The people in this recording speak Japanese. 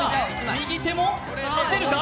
右手も立てるか？